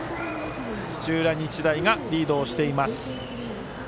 土浦日大がリードをしています。